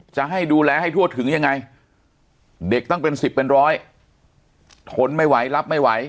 จะให้ดูแลให้ทั่วถึงยังไงเด็กต้องเป็นสิบเป็นร้อย